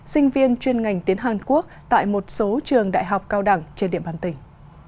sinh viên chuyên ngành tiếng hàn quốc tại một số trường đại học cao đẳng trên địa bàn tỉnh